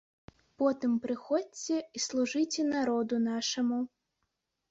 Потым прыходзьце і служыце народу нашаму.